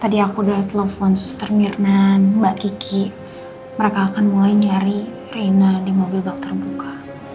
tadi aku telah telpon suster mirnan mbak kiki mereka akan mulai mencari reyna di mobil bak terbuka